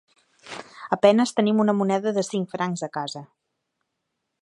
A penes tenim una moneda de cinc francs a casa.